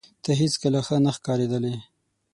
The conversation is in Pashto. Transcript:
ته هیڅکله ښه نه ښکارېدلې